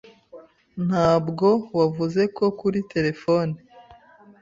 Ntabwo wavuze ko kuri terefone